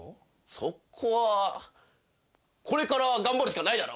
そこは、これから頑張るしかないだろ。